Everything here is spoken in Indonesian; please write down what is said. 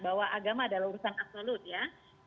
bahwa agama adalah urusan absolut ya